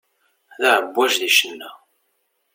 D aεebbwaj di ccna.